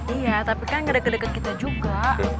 iya tapi kan gak deket deket kita juga